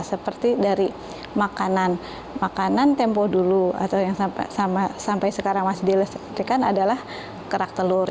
seperti dari makanan makanan tempo dulu atau yang sampai sekarang masih dilestarikan adalah kerak telur